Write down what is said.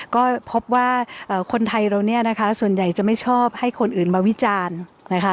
ก็พบว่าคนไทยเราเนี่ยนะคะส่วนใหญ่จะไม่ชอบให้คนอื่นมาวิจารณ์นะคะ